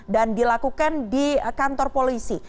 dan dilakukan di kantor polisi